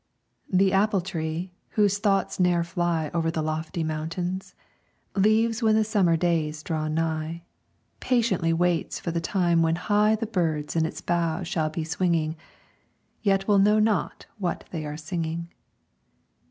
The apple tree, whose thoughts ne'er fly Over the lofty mountains, Leaves when the summer days draw nigh, Patiently waits for the time when high The birds in its bough shall be swinging, Yet will know not what they are singing.